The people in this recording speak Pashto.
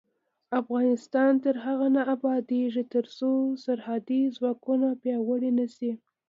افغانستان تر هغو نه ابادیږي، ترڅو سرحدي ځواکونه پیاوړي نشي.